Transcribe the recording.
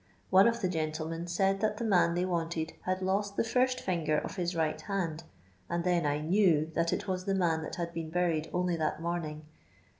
One of the gentlemen said Uiat the roan they wanted had lost the firat finger of his right hand, and then I knew that it waa the man that had been buried only that morning.